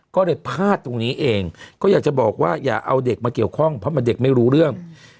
ก็เลยพลาดตรงนี้เองก็อยากจะบอกว่าอย่าเอาเด็กมาเกี่ยวข้องเพราะมันเด็กไม่รู้เรื่อง